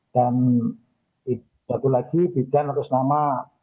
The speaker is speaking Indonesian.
dan satu lagi bidan atas nama